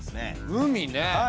海ね。